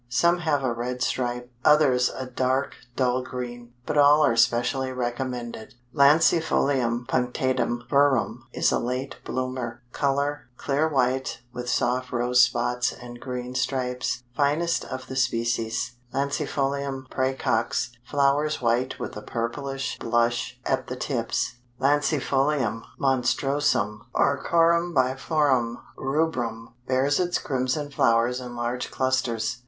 Some have a red stripe, others a dark dull green, but all are specially recommended. Lancifolium Punctatum verum is a late bloomer; color, clear white with soft rose spots and green stripes. Finest of the species, Lancifolium Praecox; flowers white with a purplish blush at the tips. Lancifolium Monstrosum or Corymbiflorum rubrum, bears its crimson flowers in large clusters.